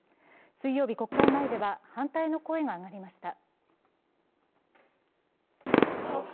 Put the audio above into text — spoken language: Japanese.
水曜日、国会前では反対の声が上がりました。